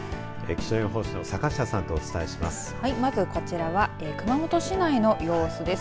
気象予報士の坂下さんとお伝えします。